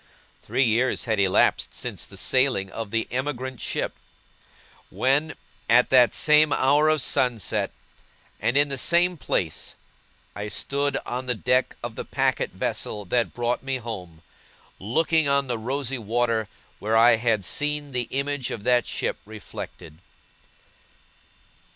Three years had elapsed since the sailing of the emigrant ship; when, at that same hour of sunset, and in the same place, I stood on the deck of the packet vessel that brought me home, looking on the rosy water where I had seen the image of that ship reflected.